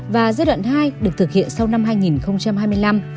và giai đoạn hai được thực hiện sau năm hai nghìn hai mươi năm